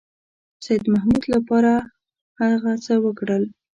سیدمحمود لپاره هغه څه وکړل.